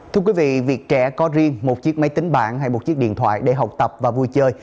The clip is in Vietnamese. thưa quý vị việc trẻ có riêng một chiếc máy tính bạn hay một chiếc điện thoại để học tập và vui chơi